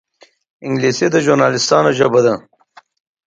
انګلیسي د ژورنالېستانو ژبه ده